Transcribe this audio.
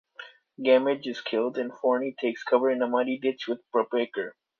Gamidge is killed, and Forney takes cover in a muddy ditch with Brubaker.